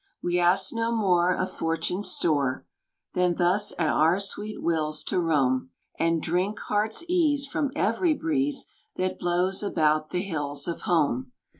We ask no more of fortune's store Than thus at our sweet wills to roam: And drink heart's ease from every breeze That blows about the hills of home.